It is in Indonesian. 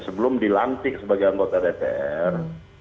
sebelum dilantik sebagai anggota dpr